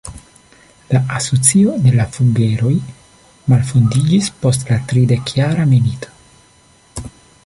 La asocio de la Fugger-oj malfondiĝis post la tridekjara milito.